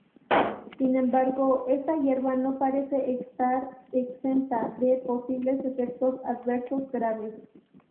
Sin embargo, esta hierba no parece estar exenta de posibles efectos adversos graves.